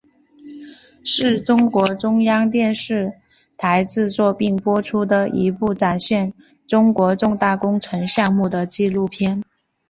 是中国中央电视台制作并播出的一部展现中国重大工程项目的纪录片。